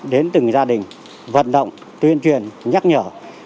đến từng gia đình vận động tuyên truyền nhắc nhở